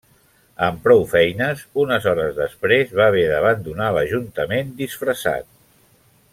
Amb prou feines unes hores després va haver d'abandonar l'Ajuntament disfressat.